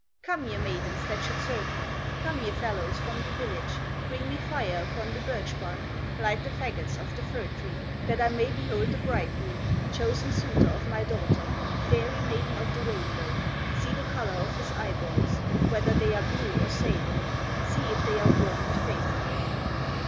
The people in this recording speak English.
"Come, ye maidens that should serve me, Come, ye fellows from the village, Bring me fire upon the birch bark, Light the fagots of the fir tree, That I may behold the bridegroom, Chosen suitor of my daughter, Fairy Maiden of the Rainbow, See the color of his eyeballs, Whether they are blue or sable, See if they are warm and faithful."